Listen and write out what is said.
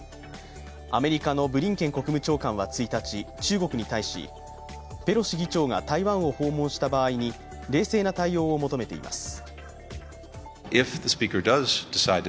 アメリカのブリンケン国務長官は１日中国に対し、ペロシ議長が台湾を訪問した場合に冷静な対応を求めています。